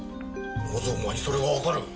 なぜお前にそれがわかる？